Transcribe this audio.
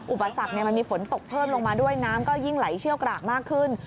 อุปสรรคมันมีฝนตกเพิ่มลงมาด้วยน้ำก็ยิ่งไหลเชี่ยวกรากมากขึ้น